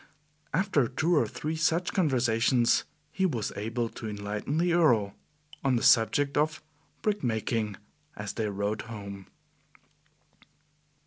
After two or three such conversations, he was able to enlighten the Earl on the subject of brick making, as they rode home.